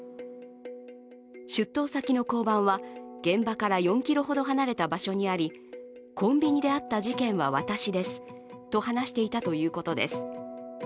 出頭先の交番は、現場から４ｋｍほど離れた場所にあり、コンビニであった事件は私ですと話していたということです。